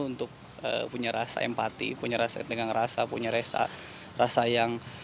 untuk punya rasa empati punya rasa yang tegang rasa punya rasa yang